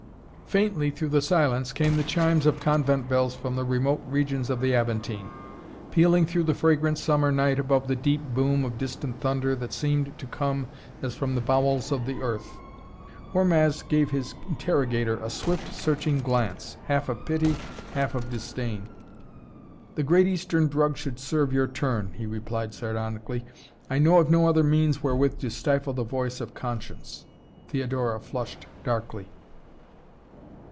Faintly through the silence came the chimes of convent bells from the remote regions of the Aventine, pealing through the fragrant summer night above the deep boom of distant thunder that seemed to come as from the bowels of the earth. Hormazd gave his interrogator a swift, searching glance, half of pity, half of disdain. "The great eastern drug should serve your turn," he replied sardonically. "I know of no other means wherewith to stifle the voice of conscience." Theodora flushed darkly.